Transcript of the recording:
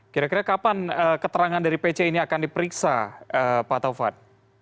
kira kira kapan keterangan dari pc ini akan diperiksa pak taufan